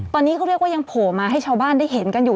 ตอนนี้เขาเรียกว่ายังโผล่มาให้ชาวบ้านได้เห็นกันอยู่